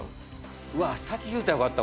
うわっ先言うたらよかった